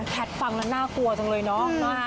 แพทย์ฟังแล้วน่ากลัวจังเลยเนาะ